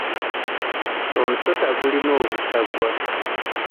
Omusota gulina obusagwa.